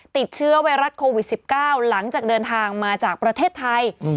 ติดเชื้อไวรัสโควิด๑๙หลังจากเดินทางมาจากประเทศไทย